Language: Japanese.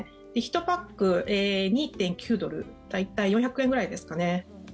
１パック２．９ドル大体４００円ぐらいですかね。